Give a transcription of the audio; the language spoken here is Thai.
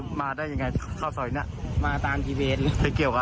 ไฟมันล้มมาแหละ